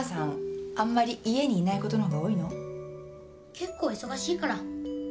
結構忙しいから。